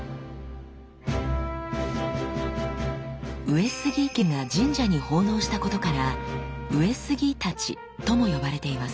上杉家が神社に奉納したことから「上杉太刀」とも呼ばれています。